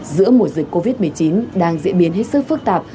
giữa mùa dịch covid một mươi chín đang diễn biến hết sức phức tạp